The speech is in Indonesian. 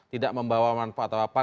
tidak membawa manfaat atau apa